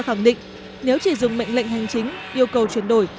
khẳng định nếu chỉ dùng mệnh lệnh hành chính yêu cầu chuyển đổi